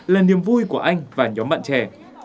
là niềm vui của anh và nhóm bạn trẻ